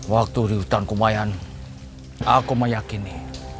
waktu di hutan kumayan aku meyakini